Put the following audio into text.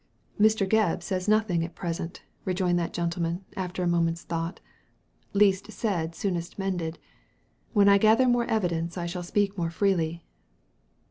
'* Mr. Gebb says nothing at present/' rejoined that gentleman, after a moment's thought " Least said, soonest mended. When I gather more evidence I shall speak more freely."